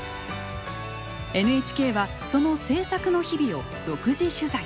ＮＨＫはその製作の日々を独自取材。